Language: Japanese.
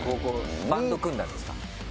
バンド組んだんですか？